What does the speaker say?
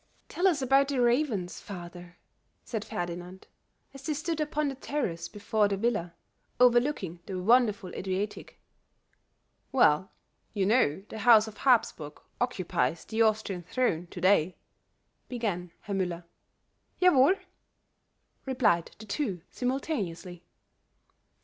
"Tell us about the ravens, father," said Ferdinand, as they stood upon the terrace before the villa, overlooking the wonderful Adriatic. "Well, you know the house of Habsburg occupies the Austrian throne to day," began Herr Müller. "Yawohl," replied the two simultaneously.